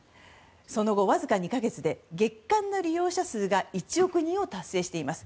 その後、わずか２か月で月間の利用者数が１億人を達成しています。